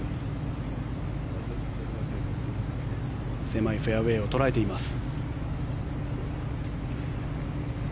狭いフェアウェーを捉えています。